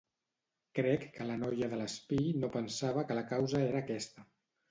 Crec que la noia de l'espill no pensava que la causa era aquesta.